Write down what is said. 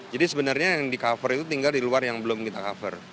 jadi sebenarnya yang di cover itu tinggal di luar yang belum kita cover